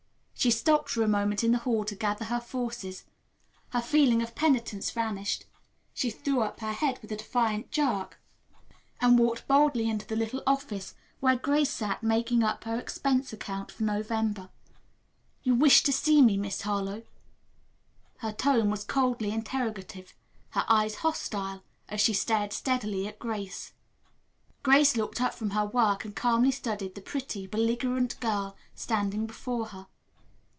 She stopped for a moment in the hall to gather her forces. Her feeling of penitence vanished. She threw up her head with a defiant jerk and walked boldly into the little office where Grace sat making up her expense account for November. "You wished to see me, Miss Harlowe?" Her tone was coldly interrogative, her eyes hostile, as she stared steadily at Grace. Grace looked up from her work and calmly studied the pretty, belligerent girl standing before her.